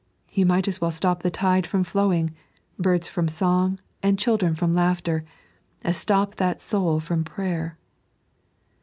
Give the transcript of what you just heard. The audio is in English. You might as well stop the tide from flowing, birds from song, and children from laughter, as stop that soul from prayer.